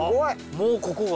もうここが。